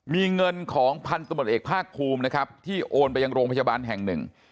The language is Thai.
มีเงินของพันธมตเอกภาคภูมินะครับที่โอนไปยังโรงพยาบาลแห่งหนึ่ง